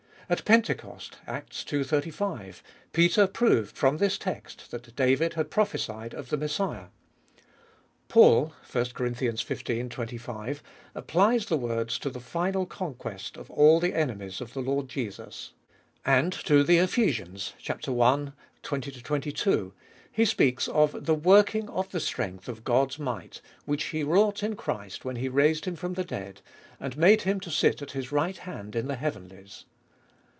At Pentecost (Acts ii. 35) Peter proved from this text that David had prophesied of the Messiah. Paul (i Cor. xv. 25) applies the words to the final conquest of all the enemies of the Lord Jesus. And to 64 abe Ibolfest of Bll the Ephesians (chap. i. 20 22) he speaks of the " working of the strength of God's might, which He wrought in Christ when He raised Him from the dead, and made Him to sit at His right hand in the heavenlies."